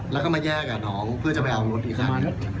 แล้วก็มาแยกกับน้องเพื่อจะไปเอารถอีกคัน